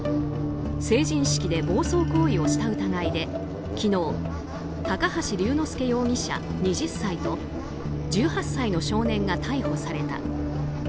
成人式で暴走行為をした疑いで昨日高橋隆之介容疑者、２０歳と１８歳の少年が逮捕された。